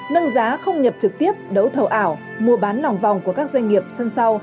nâng giá không nhập trực tiếp đấu thầu ảo mua bán lòng vòng của các doanh nghiệp sân sau